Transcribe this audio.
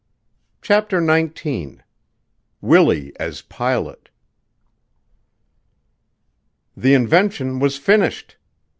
CHAPTER XIX WILLIE AS PILOT The invention was finished!